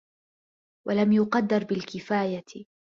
وَلَمْ يُقَدَّرْ بِالْكِفَايَةِ